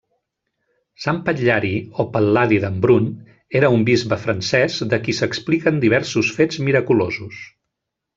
Sant Patllari o Pal·ladi d'Embrun era un bisbe francès de qui s'expliquen diversos fets miraculosos.